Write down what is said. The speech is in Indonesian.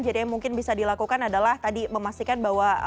jadi yang mungkin bisa dilakukan adalah tadi memastikan bahwa